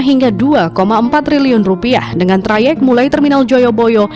hingga dua empat triliun rupiah dengan trayek mulai terminal joyoboyo